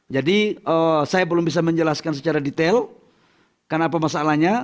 jadi saya belum bisa menjelaskan secara detail karena apa masalahnya